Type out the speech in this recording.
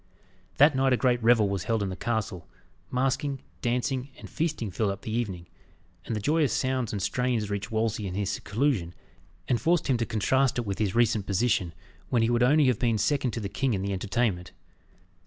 That night a great revel was held in the castle. Masquing, dancing, and feasting filled up the evening, and the joyous sounds and strains reached Wolsey in his seclusion, and forced him to contrast it with his recent position, when he would have been second only to the king in the entertainment.